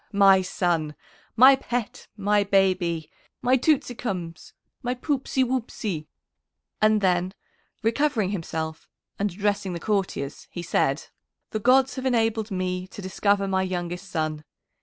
my son! my pet! my baby! my tootsicums! my popsy wopsy!" And then, recovering himself, and addressing the courtiers, he said: "The gods have enabled me to discover my youngest son.